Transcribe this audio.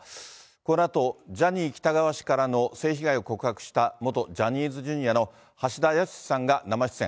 このあと、ジャニー喜多川氏からの性被害を告白した元ジャニーズＪｒ．の橋田康さんが生出演。